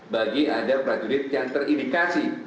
bagi ada prajurit yang terindikasi